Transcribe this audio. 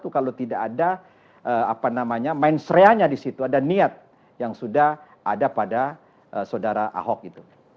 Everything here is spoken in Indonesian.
kalau tidak ada main sereanya di situ ada niat yang sudah ada pada saudara ahok itu